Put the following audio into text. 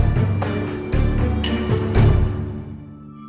สวัสดีครับ